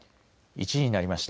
１時になりました。